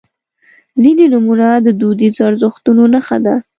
• ځینې نومونه د دودیزو ارزښتونو نښه ده.